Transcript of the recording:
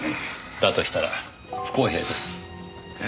だとしたら不公平です。え？